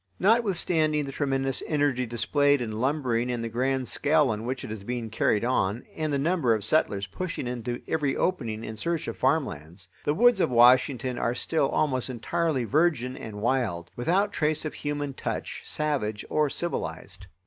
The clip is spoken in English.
Notwithstanding the tremendous energy displayed in lumbering and the grand scale on which it is being carried on, and the number of settlers pushing into every opening in search of farmlands, the woods of Washington are still almost entirely virgin and wild, without trace of human touch, savage or civilized.